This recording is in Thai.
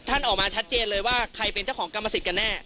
ออกมาชัดเจนเลยว่าใครเป็นเจ้าของกรรมสิทธิ์กันแน่